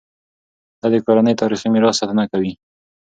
ده د کورنۍ تاریخي میراث ساتنه کوي.